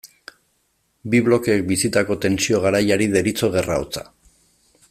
Bi blokeek bizitako tentsio garaiari deritzo Gerra hotza.